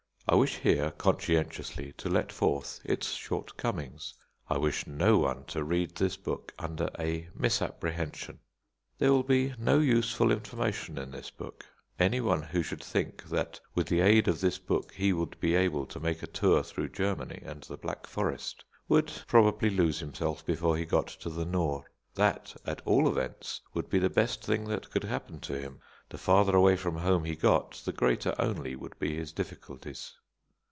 I wish here conscientiously to let forth its shortcomings. I wish no one to read this book under a misapprehension. There will be no useful information in this book. Anyone who should think that with the aid of this book he would be able to make a tour through Germany and the Black Forest would probably lose himself before he got to the Nore. That, at all events, would be the best thing that could happen to him. The farther away from home he got, the greater only would be his difficulties.